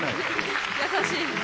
優しい。